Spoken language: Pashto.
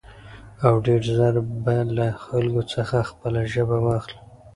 او ډېر زر به له خلکو څخه خپله ژبه واخلي.